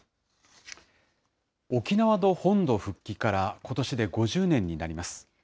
沖縄の本土復帰からことしで５０年になります。